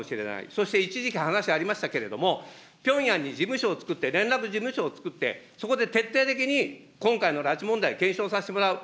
そして一時期、話がありましたけれども、ピョンヤンに事務所をつくって、連絡事務所をつくって、そこで徹底的に今回の拉致問題、検証させてもらう。